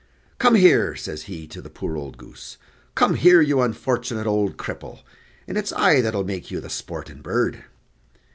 Come here!" says he to the poor old goose "come here, you unfortunate ould cripple, and it's I that'll make you the sporting bird."